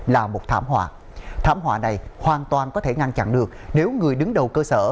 là một thảm họa thảm họa này hoàn toàn có thể ngăn chặn được nếu người đứng đầu cơ sở